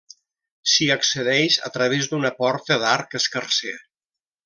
S'hi accedeix a través d'una porta d'arc escarser.